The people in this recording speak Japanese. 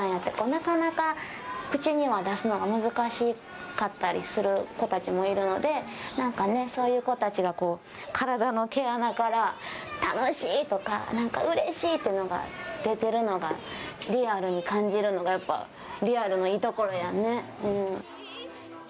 なかなか、口に出すのは難しい子たちもいるのでそういう子たちが体の毛穴から楽しい！とかうれしい！っていうのが出てるのをリアルに感じるのがリアルのいいところやんね。